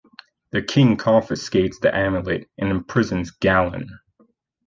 The king confiscates the amulet and imprisons Galen.